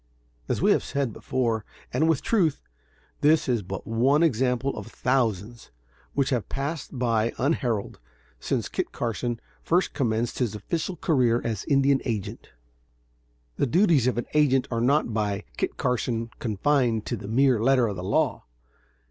As we have said before and with truth, this is but one example out of thousands which have passed by unheralded since Kit Carson first commenced his official career as Indian agent. The duties of an agent are not by Kit Carson confined to the mere letter of the law.